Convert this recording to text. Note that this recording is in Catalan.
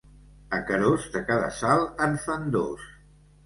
A Querós de cada salt en fan dos.